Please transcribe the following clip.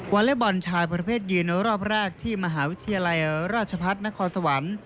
อเล็กบอลชายประเภทยืนรอบแรกที่มหาวิทยาลัยราชพัฒนครสวรรค์